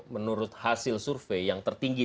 menurut hasil survei yang tertinggi